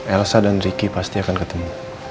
elsa dan ricky pasti akan ketemu